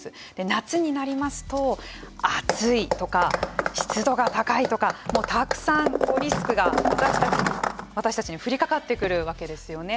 夏になりますと暑いとか湿度が高いとかもうたくさんリスクが私たちに降りかかってくるわけですよね。